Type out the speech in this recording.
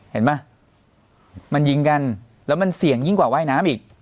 เห็นไหมมันยิงกันแล้วมันเสี่ยงยิ่งกว่าว่ายน้ำอีก